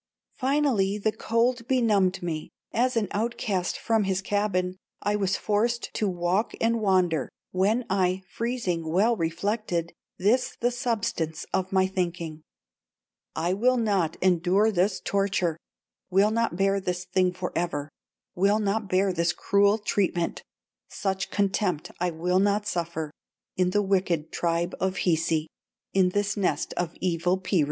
Finally the cold benumbed me; As an outcast from his cabin, I was forced to walk and wander, When I, freezing, well reflected, This the substance of my thinking: 'I will not endure this torture, Will not bear this thing forever, Will not bear this cruel treatment, Such contempt I will not suffer In the wicked tribe of Hisi, In this nest of evil Piru.